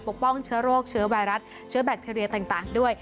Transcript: ป้องเชื้อโรคเชื้อไวรัสเชื้อแบคทีเรียต่างด้วย